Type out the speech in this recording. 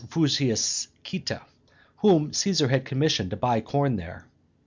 Fusius Cita, whom Caesar had commissioned to buy corn there.